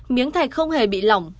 miếng thạch không hề bị lỏng